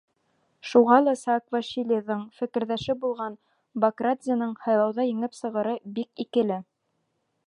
Шуға ла Саакашвилиҙың фекерҙәше булған Бакрадзеның һайлауҙа еңеп сығыры бик икеле.